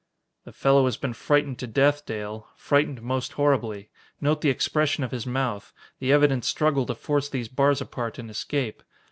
"The fellow has been frightened to death, Dale. Frightened most horribly. Note the expression of his mouth, the evident struggle to force these bars apart and escape.